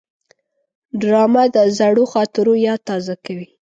ډرامه د زړو خاطرو یاد تازه کوي